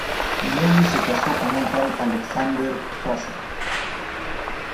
Nellie se casó con un tal Alexander Fraser.